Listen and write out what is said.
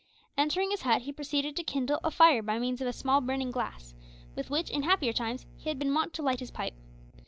Entering his hut he proceeded to kindle a fire by means of a small burning glass, with which, in happier times, he had been wont to light his pipe.